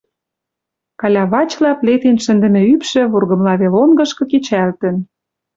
Калявачла плетен шӹндӹмӹ ӱпшӹ вургымла вел онгышкы кечалтын.